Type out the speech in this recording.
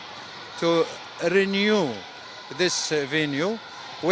untuk mengubah venue ini